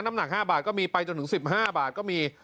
น้ำหนัก๕บาทก็มีไปจนถึง๑๕บาทก็มี